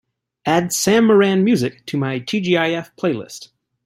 Add Sam Moran music to my tgif playlist